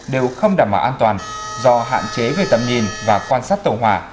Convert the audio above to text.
đều không đảm bảo an toàn do hạn chế về tầm nhìn và quan sát tàu hỏa